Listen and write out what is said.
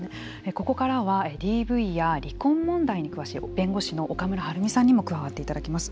ここからはＤＶや離婚問題に詳しい弁護士の岡村晴美さんにも加わっていただきます。